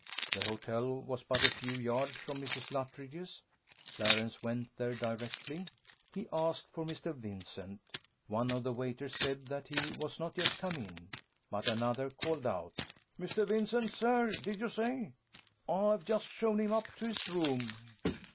The hotel was but a few yards from Mrs. Luttridge's. Clarence went there directly. He asked for Mr. Vincent. One of the waiters said, that he was not yet come in; but another called out, "Mr. Vincent, sir, did you say? I have just shown him up to his room."